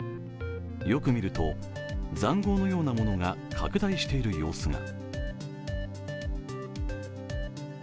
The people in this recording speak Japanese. よく見るとざんごうのようなものが拡大している様子が。